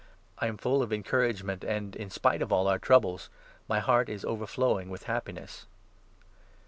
I am full of encouragement and, in spite of all our troubles, my heart is overflowing with happiness.